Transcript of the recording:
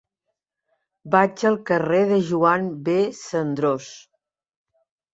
Vaig al carrer de Joan B. Cendrós.